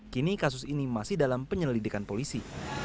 kini kasus ini masih dalam penyelidikan polisi